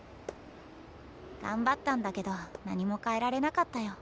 頑張ったんだけど何も変えられなかったよ。